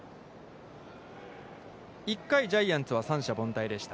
１回ジャイアンツは三者凡退でした。